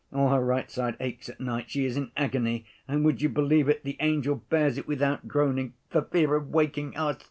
All her right side aches at night, she is in agony, and, would you believe it, the angel bears it without groaning for fear of waking us.